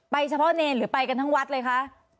เฉพาะเนรหรือไปกันทั้งวัดเลยคะ